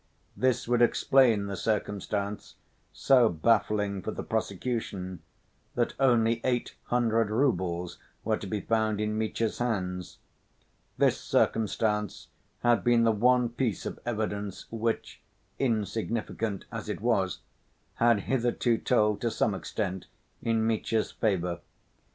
This would explain the circumstance, so baffling for the prosecution, that only eight hundred roubles were to be found in Mitya's hands. This circumstance had been the one piece of evidence which, insignificant as it was, had hitherto told, to some extent, in Mitya's favor.